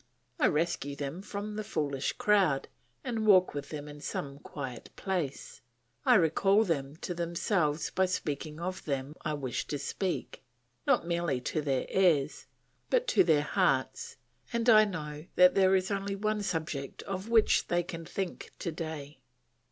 I rescue them from the foolish crowd, and walk with them in some quiet place; I recall them to themselves by speaking of them I wish to speak, not merely to their ears, but to their hearts, and I know that there is only one subject of which they can think to day.